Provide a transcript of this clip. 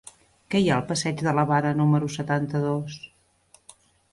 Què hi ha al passeig de l'Havana número setanta-dos?